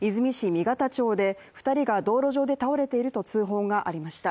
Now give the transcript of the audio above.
仁方町で２人が道路上で倒れていると通報がありました。